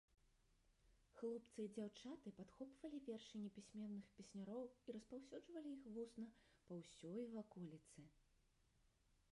Хлопцы і дзяўчаты падхоплівалі вершы непісьменных песняроў і распаўсюджвалі іх вусна па ўсёй ваколіцы.